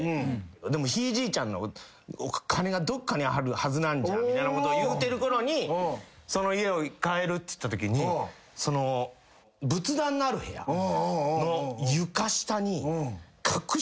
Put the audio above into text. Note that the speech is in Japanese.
でもひいじいちゃんの金がどっかにあるはずなんじゃみたいなことを言うてるころにその家をかえるっつったときにその仏壇のある部屋の。